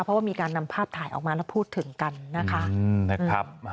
เพราะว่ามีการนำภาพถ่ายออกมาแล้วพูดถึงกันนะคะ